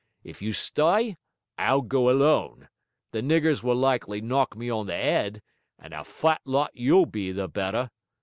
If you st'y I'll go alone; the niggers will likely knock me on the 'ead, and a fat lot you'll be the better!